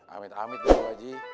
amit amit dulu pak ji